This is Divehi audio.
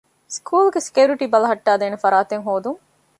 ސްކޫލްގެ ސެކިއުރިޓީ ބަލަހައްޓައިދޭނެ ފަރާތެއް ހޯދުން